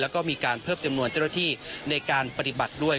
แล้วก็มีการเพิ่มจำนวนเจ้าหน้าที่ในการปฏิบัติด้วย